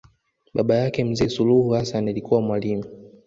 Baba yake mzee Suluhu Hassan alikuwa mwalimu